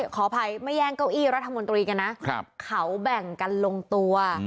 ขออภัยไม่แย่งเก้าอี้รัฐมนตรีกันนะเขาแบ่งกันลงตัว